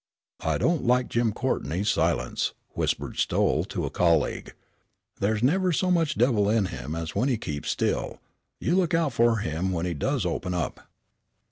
"I don't like Jim Courtney's silence," whispered Stowell to a colleague. "There's never so much devil in him as when he keeps still. You look out for him when he does open up."